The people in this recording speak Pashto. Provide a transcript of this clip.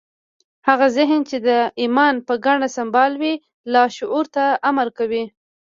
هغه ذهن چې د ايمان په ګاڼه سمبال وي لاشعور ته امر کوي.